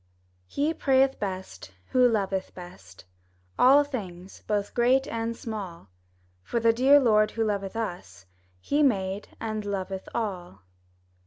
HE prayeth best, who loveth best All things, both great and small; For the dear Lord who loveth us, He made and loveth all.